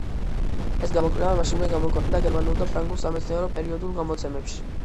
ეს გამოკვლევა მაშინვე გამოქვეყნდა გერმანულ და ფრანგულ სამეცნიერო პერიოდულ გამოცემებში.